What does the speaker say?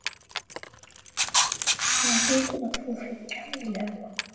ما زلت أطفو في بحار الهوى